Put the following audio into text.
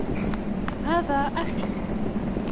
هذا أخي.